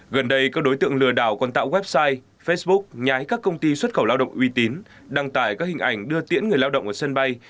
gần đây các đối tượng lừa đảo còn tạo website facebook nhái các công ty xuất khẩu lao động uy tín đăng tải các hình ảnh đưa tiễn người lao động ở sân bay